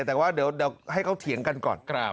แต่ว่าเดี๋ยวให้เขาเถียงกันก่อน